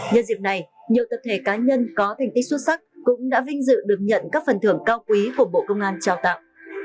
nhân dịp này nhiều tập thể cá nhân có thành tích xuất sắc cũng đã vinh dự được nhận các phần thưởng cao quý của bộ công an trao tặng